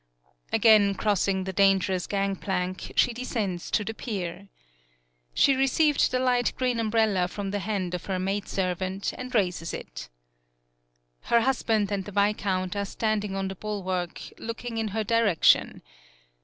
Again crossing the dangerous gang plank, she descends to the pier. She received the light green umbrella from the hand of her maidservant, and raises it. Her husband and the viscount are standing on the bulwark, looking in her direction.